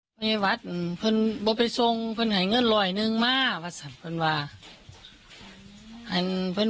ก็เลยไปส่งมาไปส่งปากข้างหน้าปีก